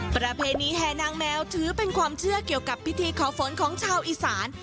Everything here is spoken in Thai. ประเพณีแห่นางแมวถือเป็นความเชื่อเกี่ยวกับพิธีขอฝนของชาวอีสาน